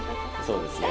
そうですね。